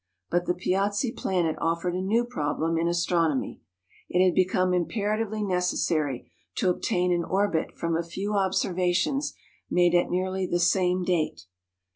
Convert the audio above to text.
But the Piazzi planet offered a new problem in astronomy. It had become imperatively necessary to obtain an orbit from a few observations made at nearly the same date.